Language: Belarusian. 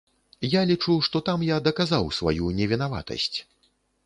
Я лічу, што там я даказаў усю сваю невінаватасць.